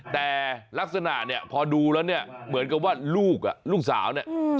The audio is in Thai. แต่ลักษณะเนี่ยพอดูแล้วเนี่ยเหมือนกับว่าลูกอ่ะลูกสาวเนี่ย